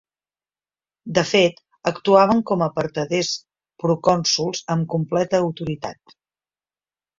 De fet, actuaven com a vertaders procònsols amb completa autoritat.